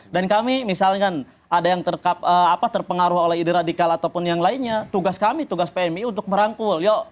dan kami misalnya kan ada yang terpengaruh oleh ide radikal ataupun yang lainnya tugas kami tugas pmii untuk merangkul